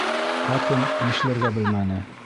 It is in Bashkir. Ҡатын нишләргә белмәне.